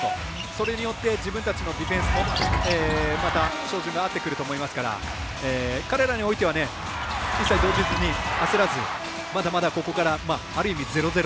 それによって自分たちのディフェンスもまた照準が合ってくると思いますから彼らにおいては一切動じずに焦らず、まだまだここからある意味０−０。